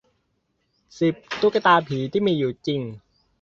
สิบ ตุ๊กตาผีที่มีอยู่จริง